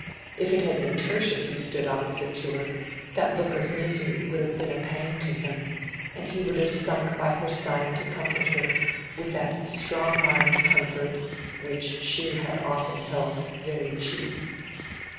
If it had been Tertius who stood opposite to her, that look of misery would have been a pang to him, and he would have sunk by her side to comfort her, with that strong armed comfort which she had often held very cheap.